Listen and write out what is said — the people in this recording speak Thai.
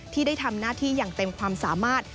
ที่ได้ทำหน้าที่อย่างเต็มความสามารถ